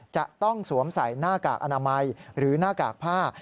จะต้องสวมใส่หน้ากากอนามัยหรือหน้ากากผ้า